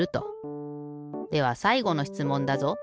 ではさいごのしつもんだぞ。